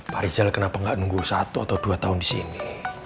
pak rizal kenapa gak nunggu satu atau dua tahun disini